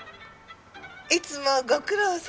「いつもご苦労様。